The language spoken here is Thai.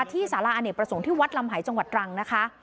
สาระอเนกประสงค์ที่วัดลำหายจังหวัดตรังนะคะ